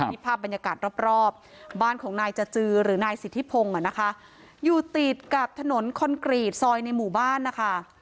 นี่ภาพบรรยากาศรอบบ้านของนายจจือหรือนายสิทธิพงศ์นะคะอยู่ติดกับถนนคอนกรีตซอยในหมู่บ้านนะคะ